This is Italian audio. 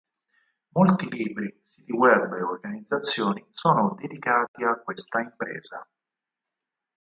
Molti libri, siti web e organizzazioni sono dedicati a questa impresa.